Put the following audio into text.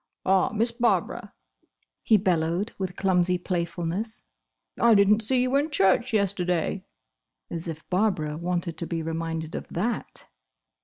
"Ah, Miss Barbara," he bellowed, with clumsy playfulness, "I didn't see you in church yesterday!" As if Barbara wanted to be reminded of that!